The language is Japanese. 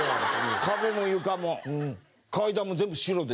「壁も床も階段も全部白で」。